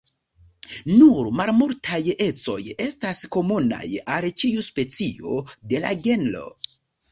Nur malmultaj ecoj estas komunaj al ĉiu specio de la genro.